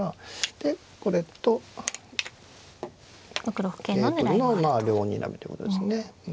でこれと桂取りの両にらみということですね。